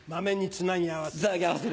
つなぎ合わせる。